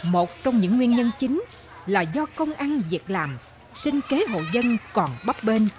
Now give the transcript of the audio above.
một trong những nguyên nhân chính là do công ăn việc làm sinh kế hộ dân còn bắp bên